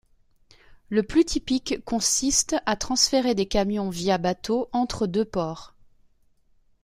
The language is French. Le plus typique consiste à transférer des camions via bateau entre deux ports.